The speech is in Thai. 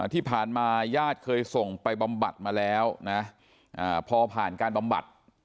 ที่ผ่านมาญาติเคยส่งไปบำบัดมาแล้วนะพอผ่านการบำบัด